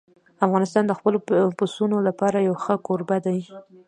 افغانستان د خپلو پسونو لپاره یو ښه کوربه دی.